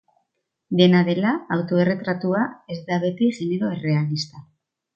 Dena dela, autoerretratua ez da beti genero errealista.